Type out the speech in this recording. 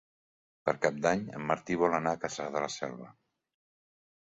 Per Cap d'Any en Martí vol anar a Cassà de la Selva.